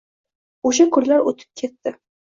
Oʻsha kunlar oʻtib ketdi.